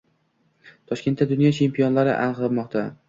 Toshkentda dunyo chempionlari aniqlanmoqda